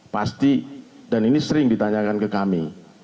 pasti dan ini sering ditanyakan ke kami